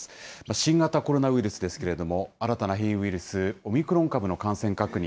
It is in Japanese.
新型コロナウイルスですけれども、新たな変異ウイルス、オミクロン株の感染確認。